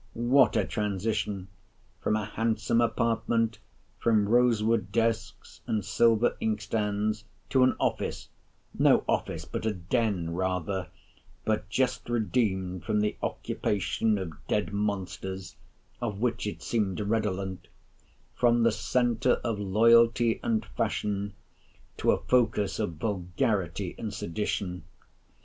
What a transition—from a handsome apartment, from rose wood desks, and silver inkstands, to an office—no office, but a den rather, but just redeemed from the occupation of dead monsters, of which it seemed redolent—from the centre of loyalty and fashion, to a focus of vulgarity and sedition!